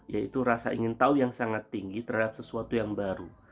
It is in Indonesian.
yaitu rasa ingin tahu yang sangat tinggi terhadap sesuatu yang baru